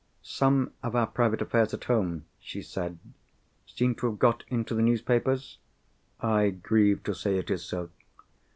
"Some of our private affairs, at home," she said, "seem to have got into the newspapers?" "I grieve to say, it is so."